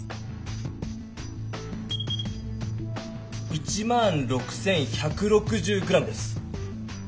１６１６０ｇです。